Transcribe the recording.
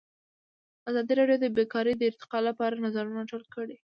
ازادي راډیو د بیکاري د ارتقا لپاره نظرونه راټول کړي.